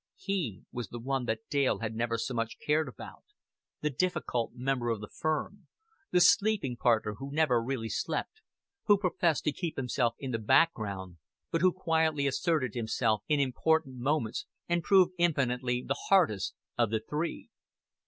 He was the One that Dale had never so much cared about the difficult member of the firm, the sleeping partner who never really slept, who professed to keep himself in the background, but who quietly asserted himself in important moments and proved infinitely the hardest of the Three.